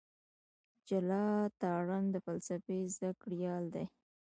جلال تارڼ د فلسفې زده کړيال دی.